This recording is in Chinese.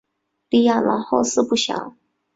李雅郎后事不详。